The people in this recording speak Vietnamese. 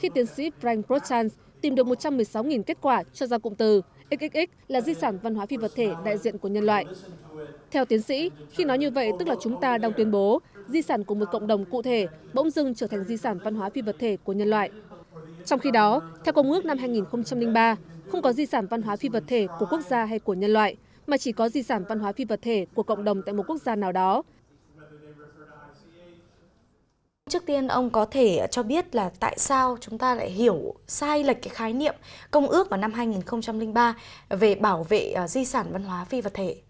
trước tiên ông có thể cho biết là tại sao chúng ta lại hiểu sai lệch cái khái niệm công ước vào năm hai nghìn ba về bảo vệ di sản văn hóa phi vật thể